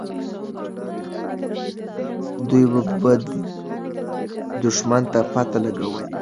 دوی به دښمن ته پته لګولې وي.